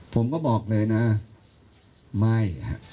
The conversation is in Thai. ผมก็บอกเลยนะไม่